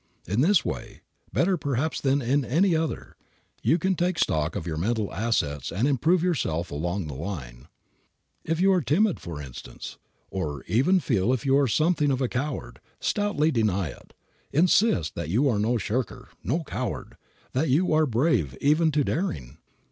In this way, better perhaps than in any other, you can take stock of your mental assets and improve yourself all along the line. If you are timid, for instance, or even feel that you are something of a coward, stoutly deny it. Insist that you are no shirker, no coward, that you are brave even to daring.